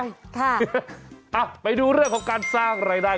ค่ะไปดูเรื่องของการสร้างรายได้